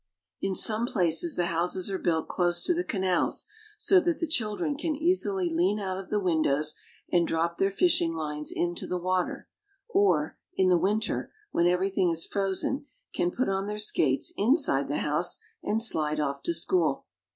In some places the houses are built close to the canals, so that the children can easily lean out of the win dows and drop their fishing lines into the water; or, in the winter, when everything is frozen, can put on their skates inside the house, and slide off to school.